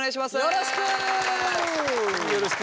よろしく。